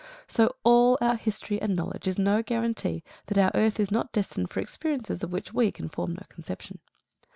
So all our history and knowledge is no guarantee that our earth is not destined for experiences of which we can form no conception.